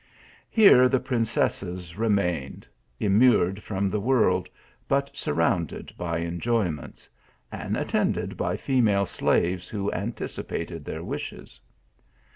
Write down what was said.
Here the princesses remained, immured from the world, but surrounded by enjoyments ; and attended by female slaves whc anticipated their wishes.